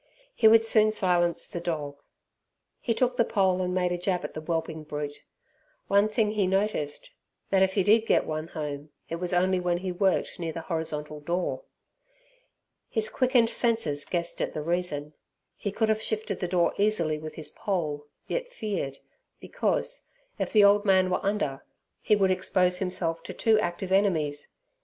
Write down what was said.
He would soon silence the dog. He took the pole and made a jab at the whelping brute. One thing he noticed, that if he did get one home, it was only when he worked near the horizontal door. His quickened senses guessed at the reason. He could have shifted the door easily with his pole, yet feared, because, if the old man were under, he would expose himself to two active enemies.